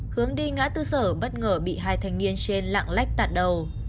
hướng đi ngã tư sở bất ngờ bị hai thanh niên trên lạng lách tạt đầu